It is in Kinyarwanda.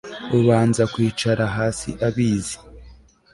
ubanza kwicara hasi abizi